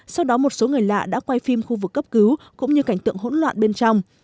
sau đó một số người lạ đã quay phim khu vực cấp cứu cũng như cảnh tượng hỗn loạn bên trong